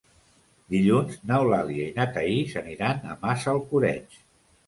Dilluns n'Eulàlia i na Thaís aniran a Massalcoreig.